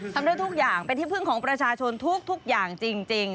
ทำได้ทุกอย่างเป็นที่พึ่งของประชาชนทุกอย่างจริง